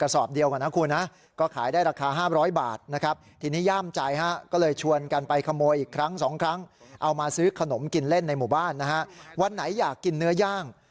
เอามาซื้อขนมกินเล่นในหมู่บ้านนะฮะวันไหนอยากกินเนื้อย่าง